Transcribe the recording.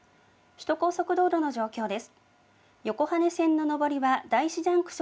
首都高速道路の状況です。